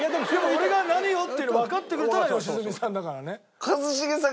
俺が何をっていうのわかってくれたのは良純さんだからね。